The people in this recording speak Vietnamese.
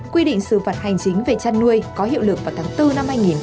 quy định sự phạt hành chính về chăn nuôi có hiệu lực vào tháng bốn hai nghìn hai mươi một